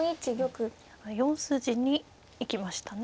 ４筋に行きましたね。